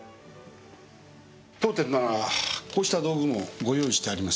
当店ならこうした道具もご用意してありますし。